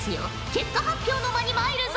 結果発表の間にまいるぞ。